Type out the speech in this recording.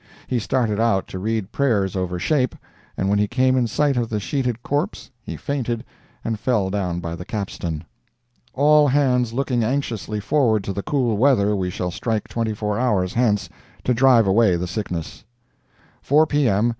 He started out to read prayers over 'Shape,' and when he came in sight of the sheeted corpse he fainted and fell down by the capstan." "All hands looking anxiously forward to the cool weather we shall strike twenty four hours hence, to drive away the sickness." "4 P.M.